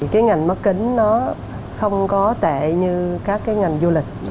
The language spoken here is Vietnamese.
cái ngành mắc kính nó không có tệ như các ngành du lịch